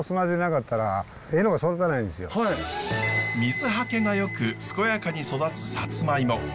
水はけがよく健やかに育つサツマイモ。